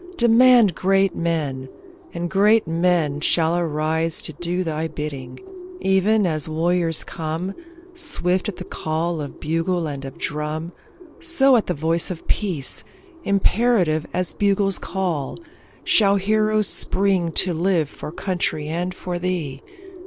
Demand great men, and great men shall arise To do thy bidding. Even as warriors come, Swift at the call of bugle and of drum, So at the voice of Peace, imperative As bugle's call, shall heroes spring to live For country and for thee.